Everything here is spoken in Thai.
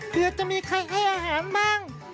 เผื่อจะมีใครให้อาหารบ้าง